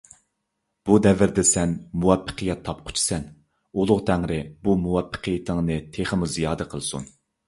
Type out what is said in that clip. بۇ دەۋردە سەن مۇۋەپپەقىيەت تاپقۇچىسەن. ئۇلۇغ تەڭرى بۇ مۇۋەپپەقىيىتىڭنى تېخىمۇ زىيادە قىلسۇن.